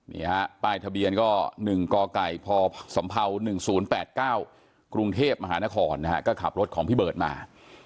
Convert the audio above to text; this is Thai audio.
นี่ฮะป้ายทะเบียนก็หนึ่งกไก่พสมภาวหนึ่งศูนย์แปดเก้ากรุงเทพมหานครนะฮะก็ขับรถของพี่เบิร์ตมา